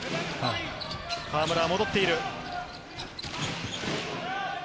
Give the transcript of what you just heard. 河村が戻っている。